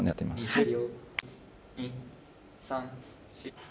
はい。